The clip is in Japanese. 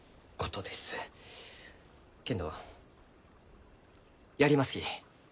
けんどやりますき。